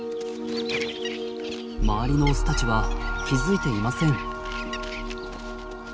周りのオスたちは気付いていません。